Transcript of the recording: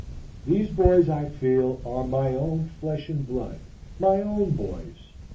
These boys, I feel, are my own flesh and blood my own boys.